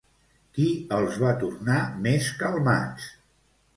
Qui els va tornar més calmats?